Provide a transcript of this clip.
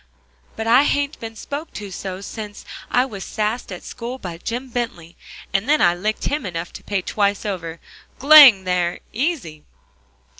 but I hain't been spoke to so since I was sassed at school by Jim Bently, and then I licked him enough to pay twice over. G'lang there easy!"